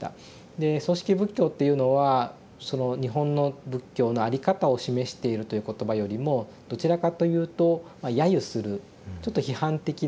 で葬式仏教っていうのは日本の仏教の在り方を示しているという言葉よりもどちらかというとやゆするちょっと批判的な。